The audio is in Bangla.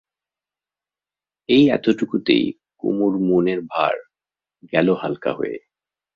এই এতটুকুতেই কুমুর মনের ভার গেল হালকা হয়ে।